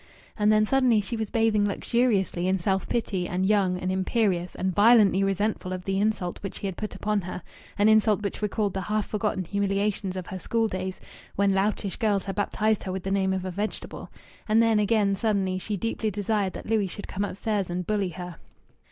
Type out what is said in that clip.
And then suddenly she was bathing luxuriously in self pity, and young and imperious, and violently resentful of the insult which he had put upon her an insult which recalled the half forgotten humiliations of her school days, when loutish girls had baptized her with the name of a vegetable.... And then, again suddenly, she deeply desired that Louis should come upstairs and bully her.